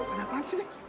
ada apaan sih